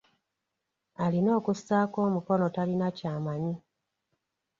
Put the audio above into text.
Alina okussaako omukono talina ky'amanyi.